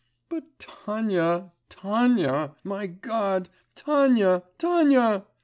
'But Tanya, Tanya, my God! Tanya! Tanya!